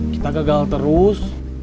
kita gagal terus